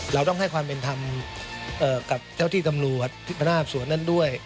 เราต้องให้ความเป็นธรรมกับเจ้าที่ตำรวจพนักสวนนั้นด้วย